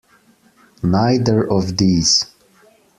Neither of these.